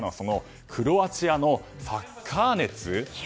クロアチアのサッカー熱。